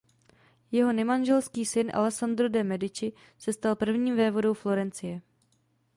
Jeho nemanželský syn Alessandro de Medici se stal prvním vévodou Florencie.